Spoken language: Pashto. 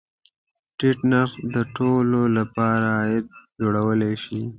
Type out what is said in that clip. ټیټ نرخ د ټولو له پاره عاید لوړولی شي.